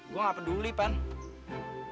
gua ga peduli pane